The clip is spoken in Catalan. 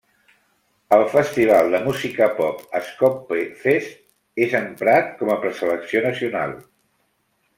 El festival de música pop Skopje Fest és emprat com a preselecció nacional.